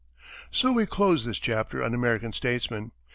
So we close this chapter on American Statesmen.